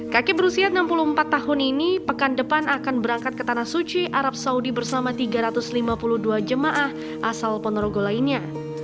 kaki berusia enam puluh empat tahun ini pekan depan akan berangkat ke tanah suci arab saudi bersama tiga ratus lima puluh dua jemaah asal ponorogo lainnya